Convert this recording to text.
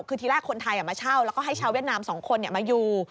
คือทีแรกคนไทยมาเช่าแล้วก็ให้ชาวเวียดนาม๒คนมาอยู่